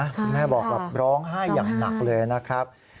คุณแม่บอกแบบร้องไห้อย่างหนักเลยนะครับ